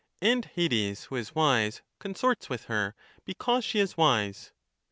And Hades, who is wise, con sorts with her, because she is wise.